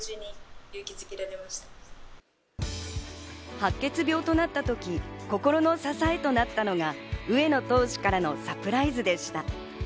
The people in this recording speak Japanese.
白血病となったとき、心の支えとなったのが上野投手からのサプライズでした。